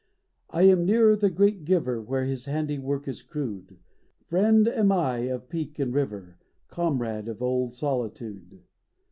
I am nearer the great Giver, Where His handiwork is crude ; Friend am I of peak and river, Comrade of old Solitude.